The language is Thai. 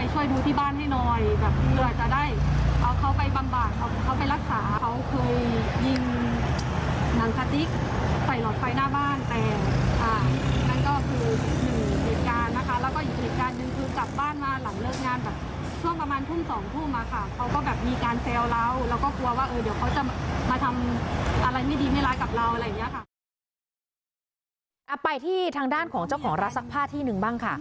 หนึ่งจับบ้านมาหลังเลิกงาน